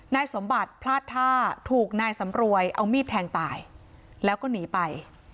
นายสมบัติพลาดท่าถูกนายสำรวยเอามีดแทงตายแล้วก็หนีไป